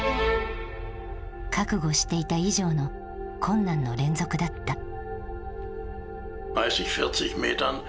覚悟していた以上の困難の連続だった。